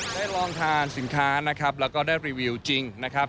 ลองทานสินค้านะครับแล้วก็ได้รีวิวจริงนะครับ